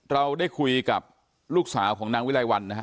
เราได้คุยกับลูกสาวของนางวิลัยวันนะฮะ